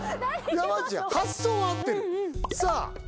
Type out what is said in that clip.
山内発想は合ってるさあ